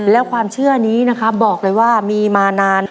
แล้วความเชื่อนี้นะครับบอกเลยว่ามีมานาน